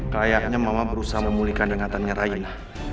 kayaknya mama berusaha memulihkan ingatannya raina